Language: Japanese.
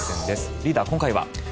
リーダー、今回は？